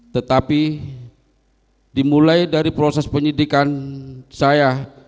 tetapi dimulai dari proses penyidikan saya